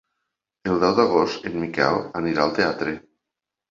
El deu d'agost en Miquel anirà al teatre.